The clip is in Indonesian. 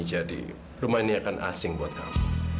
jadi rumah ini akan asing buat kamu